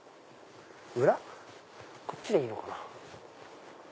こっちでいいのかな。